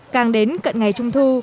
càng đến cận ngày trung thu